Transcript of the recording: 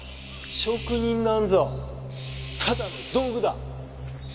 職人なんぞただの道具だ！